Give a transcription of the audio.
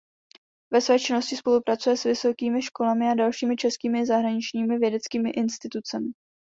Ve své činnosti spolupracuje s vysokými školami a dalšími českými i zahraničními vědeckými institucemi.